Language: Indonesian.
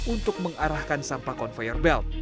untuk mengarahkan sampah conveyor belt